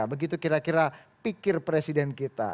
begitu kira kira pikir presiden kita